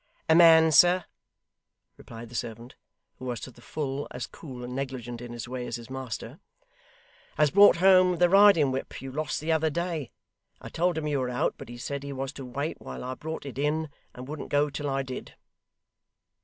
'A man, sir,' replied the servant, who was to the full as cool and negligent in his way as his master, 'has brought home the riding whip you lost the other day. I told him you were out, but he said he was to wait while I brought it in, and wouldn't go till I did.